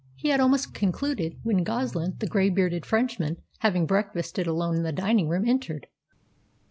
He had almost concluded when Goslin, the grey bearded Frenchman, having breakfasted alone in the dining room, entered.